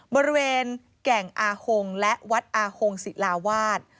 บริเวณแก่งอาหงและวัดอาหงศิลาวาส